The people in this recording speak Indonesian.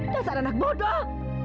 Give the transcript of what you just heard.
dasar anak bodoh